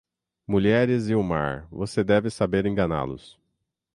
Mulheres e o mar, você deve saber enganá-los.